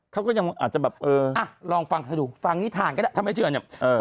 เขาก็ยังอาจจะแบบเอออ่ะลองฟังให้ดูฟังนิทานก็ได้ทำไมเชื่ออย่างงี้